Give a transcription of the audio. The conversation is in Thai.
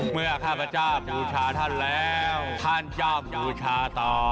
เมื่อข้าพระเจ้าบูชาท่านแล้วท่านจะบูชาต่อ